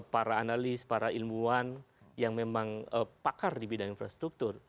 para analis para ilmuwan yang memang pakar di bidang infrastruktur